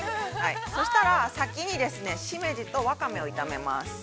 そうしたら先にですね、しめじとワカメを炒めます。